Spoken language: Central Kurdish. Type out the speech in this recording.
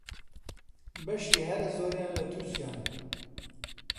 بەشی هەرە زۆریان لە تورکیان